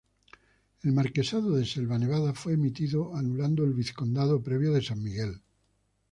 El marquesado de Selva Nevada fue emitido anulando el vizcondado previo de San Miguel.